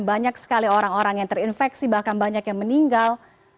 banyak sekali orang orang yang terinfeksi bahkan banyak yang meninggal